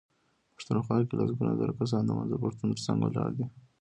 پښتونخوا کې لسګونه زره کسان د منظور پښتون ترڅنګ ولاړ دي.